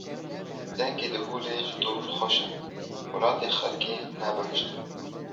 Dengê diholê ji dûr xweş e, welatê xelkê ne buhişt e.